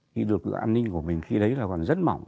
khi được an ninh của mình khi đấy là còn rất mỏng